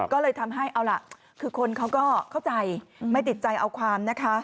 ก็เลยทำให้เอาล่ะคือคนเขาก็เข้าใจไม่ติดใจเอาความนะคะ